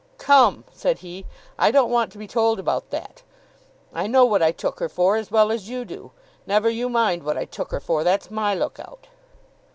'Come!' said he, 'I don't want to be told about that. I know what I took her for, as well as you do. Never you mind what I took her for; that's my look out.